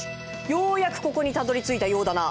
ようやくここにたどりついたようだな。